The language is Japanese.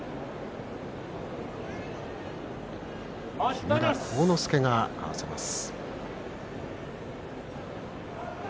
木村晃之助が合わせます。